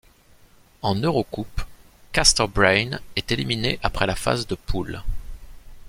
En Eurocoupe, Castors Braine est éliminé après la phase de poules.